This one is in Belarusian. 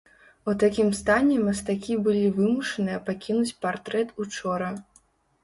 У такім стане мастакі былі вымушаныя пакінуць партрэт учора.